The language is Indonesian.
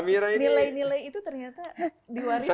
jadi nilai nilai itu ternyata diwariskan